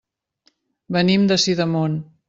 Venim de Sidamon.